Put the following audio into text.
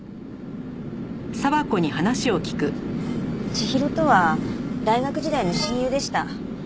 千尋とは大学時代の親友でした。